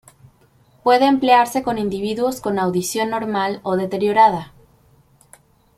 Puede emplearse con individuos con audición normal o deteriorada.